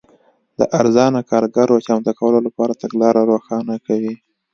د ارزانه کارګرو چمتو کولو لپاره تګلاره روښانه کوي.